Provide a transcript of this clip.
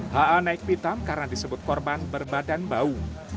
ha naik pitam karena disebut korban berbadan bau